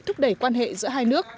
thúc đẩy quan hệ giữa hai nước